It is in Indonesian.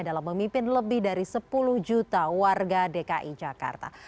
dalam memimpin lebih dari sepuluh juta warga dki jakarta